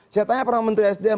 saya tanya pernah menteri sdm